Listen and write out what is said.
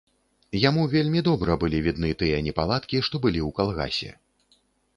Яму вельмі добра былі відны тыя непаладкі, што былі ў калгасе.